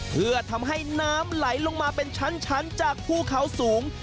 เพื่อทำให้น้ำไหลลงมาเป็นชั้นจากภูเขาสูง